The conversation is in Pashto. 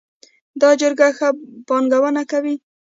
دا چرګ ښه بانګونه کوي